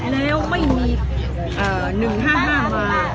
แล้วไม่มี๑๕๕มา